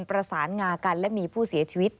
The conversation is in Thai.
ประสารงากันและมีผู้เจ็บสาหันต์